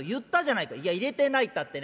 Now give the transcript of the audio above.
いや入れてないったってね